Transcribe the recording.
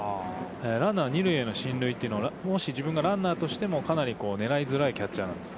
ランナー二塁への進塁は、もし自分がランナーとしてもかなり狙いづらいキャッチャーなんです。